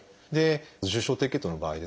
重症低血糖の場合ですね